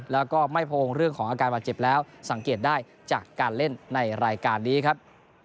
แล้วก็ไม่โพงเรื่องของอาการบาดเจ็บแล้วสังเกตได้จากการเล่นในรายการนี้ครับ